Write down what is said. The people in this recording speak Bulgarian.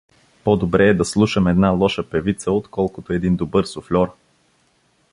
По-добре е да слушам една лоша певица, отколкото един добър суфльор.